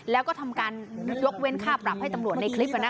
แล้วก็ทำการยกเว้นค่าปรับให้ตำรวจในคลิป